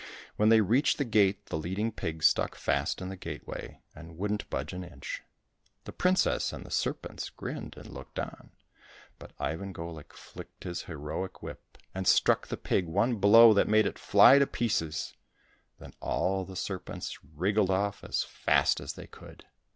When they reached the gate the leading pig stuck fast in the gateway, and wouldn't budge an inch. The princess and the serpents grinned and looked on, but Ivan 287 COSSACK FAIRY TALES Golik flicked his heroic whip, and struck the pig one blow that made it fly to pieces. Then all the serpents wriggled off as fast as they could.